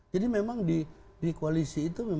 jadi memang di koalisi itu